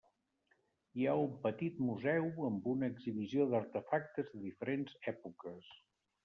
Hi ha un petit museu amb una exhibició d'artefactes de diferents èpoques.